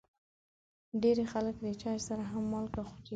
ډېری خلک د چای سره هم مالګه خوري.